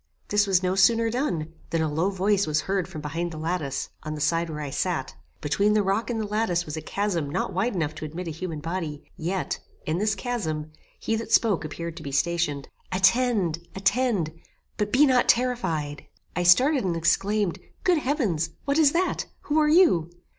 This was no sooner done, than a low voice was heard from behind the lattice, on the side where I sat. Between the rock and the lattice was a chasm not wide enough to admit a human body; yet, in this chasm he that spoke appeared to be stationed. "Attend! attend! but be not terrified." I started and exclaimed, "Good heavens! what is that? Who are you?"